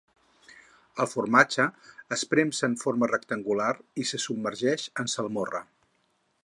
El formatge es premsa en forma rectangular i se submergeix en salmorra.